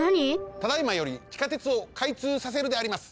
ただいまより地下鉄をかいつうさせるであります！